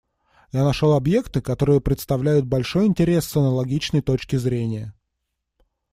Я нашел объекты, которые представляют большой интерес с аналогичной точки зрения.